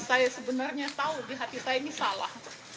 saya sebenarnya tahu di hati saya ini salah